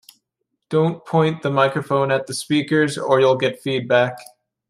Don’t point the microphone at the speakers or you’ll get feedback.